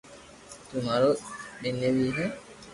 تو مارو ٻينيوي ھي